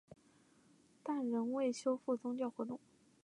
但仍未恢复宗教活动。